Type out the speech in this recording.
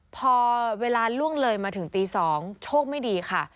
พอเวลาล่วงเลยมาถึงตี๒โชคไม่ดีค่ะ